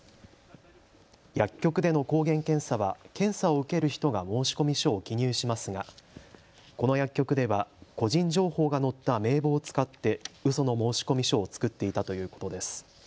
薬局での抗原検査は検査を受ける人が申込書を記入しますがこの薬局では個人情報が載った名簿を使ってうその申込書を作っていたということです。